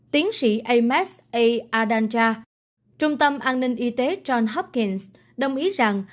tiến sĩ ames a adanja trung tâm an ninh y tế john hopkins đồng ý rằng